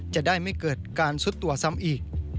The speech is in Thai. จะได้ไม่เกิดการซุดตัวซ้ำอีก